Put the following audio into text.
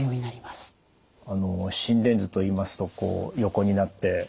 心電図といいますとこう横になって。